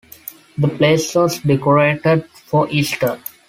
The place was decorated for Easter.